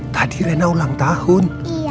tadi rena ulang tahun